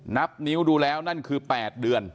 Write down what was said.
นับนิ้วดูแล้วนั่นคือ๘เดือน